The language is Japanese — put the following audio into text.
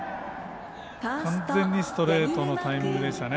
完全にストレートのタイミングでしたね。